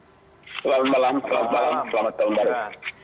selamat malam selamat tahun baru